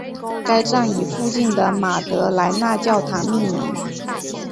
该站以附近的马德莱娜教堂命名。